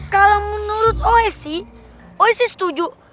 kalau menurut oe sih oe sih setuju